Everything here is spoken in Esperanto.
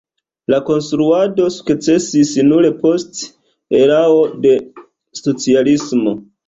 La konstruado sukcesis nur post erao de socialismo.